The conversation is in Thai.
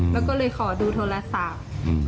แล้วก็เลยขอดูโทรศัพท์